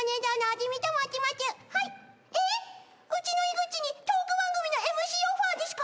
うちの井口にトーク番組のＭＣオファーですか！？